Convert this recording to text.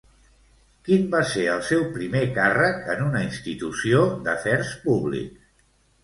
Quin va ser el seu primer càrrec en una institució d'afers públics?